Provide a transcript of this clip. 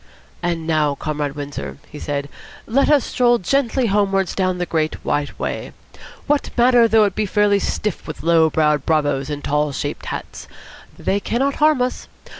"And now, Comrade Windsor," he said, "let us stroll gently homewards down the Great White Way. What matter though it be fairly stiff with low browed bravoes in tall shaped hats? They cannot harm us.